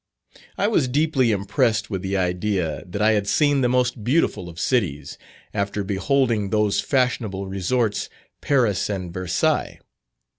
I was deeply impressed with the idea that I had seen the most beautiful of cities, after beholding those fashionable resorts, Paris and Versailles.